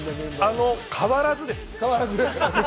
変わらずです。